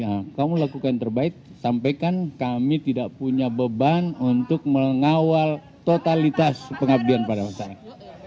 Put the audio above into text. yang kamu lakukan yang terbaik sampaikan kami tidak punya beban untuk mengawal totalitas pengabdian pada masyarakat